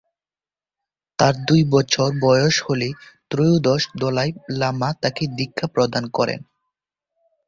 তার দুই বছর বয়স হলে ত্রয়োদশ দলাই লামা তাকে দীক্ষা প্রদান করেন।